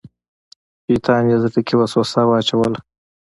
شیطان یې زړه کې وسوسه واچوله.